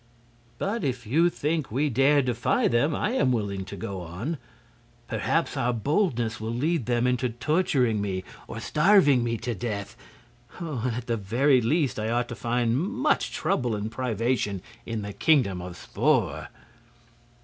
But if you think we dare defy them I am willing to go on. Perhaps our boldness will lead them into torturing me, or starving me to death; and at the very least I ought to find much trouble and privation in the Kingdom of Spor."